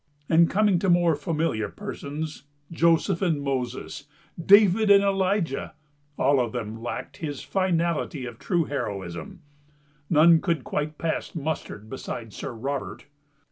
And coming to more familiar persons Joseph and Moses, David and Elijah, all of them lacked his finality of true heroism—none could quite pass muster beside Sir Robert